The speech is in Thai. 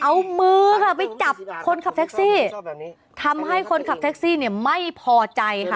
เอามือค่ะไปจับคนขับแท็กซี่ทำให้คนขับแท็กซี่เนี่ยไม่พอใจค่ะ